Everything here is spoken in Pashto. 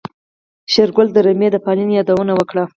شېرګل د رمې د پالنې يادونه وکړه.